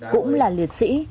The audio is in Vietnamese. cũng là liệt sĩ